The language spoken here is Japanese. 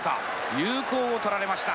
有効を取られました。